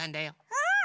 うん！